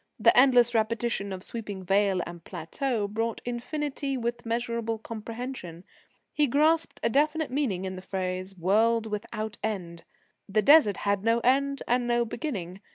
The endless repetition of sweeping vale and plateau brought infinity within measurable comprehension. He grasped a definite meaning in the phrase "world without end": the Desert had no end and no beginning.